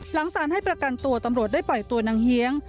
หลังสารให้ประกันตัวตำรวจได้ปล่อยตัวนางเฮียง